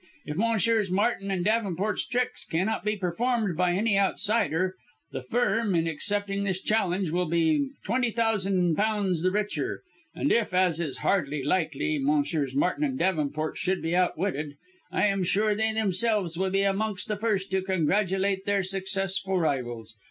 If Messrs. Martin and Davenport's tricks cannot be performed by any outsider the Firm in accepting this challenge will merely be twenty thousand pounds the richer and if as is hardly likely, Messrs. Martin and Davenport should be outwitted, I am sure they themselves will be amongst the first to congratulate their successful rivals.